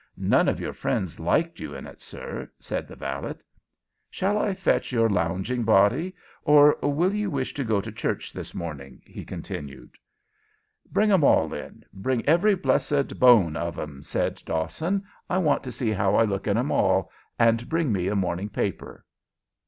None of your friends liked you in it, sir," said the valet. "Shall I fetch your lounging body, or will you wish to go to church this morning?" he continued. "Bring 'em all in; bring every blessed bone of 'em," said Dawson. "I want to see how I look in 'em all; and bring me a morning paper."